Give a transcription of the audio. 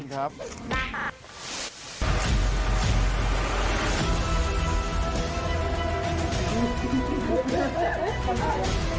ขอบคุณครับ